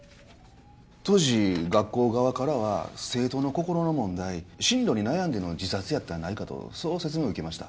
当時学校側からは生徒の心の問題進路に悩んでの自殺やったんやないかとそう説明を受けました。